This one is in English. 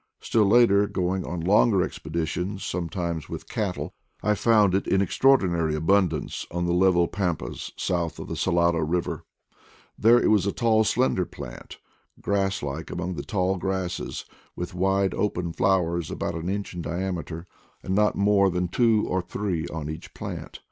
Still later, going on longer expeditions, sometimes with cattle, I found it in extraordinary abundance on the level pampas south of the Salado Eiver; there it was a tall slender plant, grass like among the tall grasses, with wide open flowers about an inch in diameter, and not more than two or three on each plant.